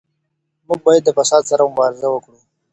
موږ بايد له فساد سره مبارزه وکړو.